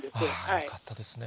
よかったですね。